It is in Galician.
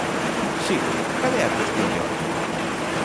Si, ¿cal é a cuestión de orde?